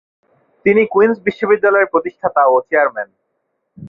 তিনি কুইন্স বিশ্ববিদ্যালয়ের প্রতিষ্ঠাতা ও চেয়ারম্যান।